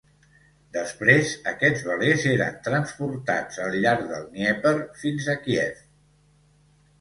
Després, aquests velers eren transportats al llarg del Dnièper fins a Kíev.